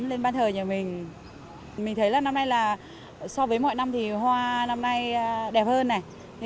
nên ban thời nhà mình thấy là năm nay là so với mọi năm thì hoa năm nay đẹp hơn này